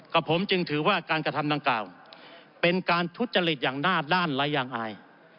กับผมจึงถือว่าการกระทำดังกล่าวเป็นการทุจริตอย่างหน้าด้านและยังอาย